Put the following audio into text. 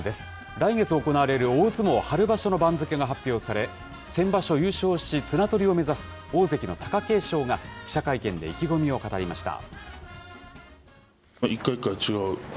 来月行われる大相撲春場所の番付が発表され、先場所優勝し、綱とりを目指す大関の貴景勝が、記者会見で意気込みを語りました。